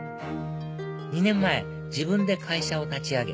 ２年前自分で会社を立ち上げ